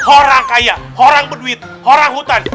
orang kaya orang beduit orang hutan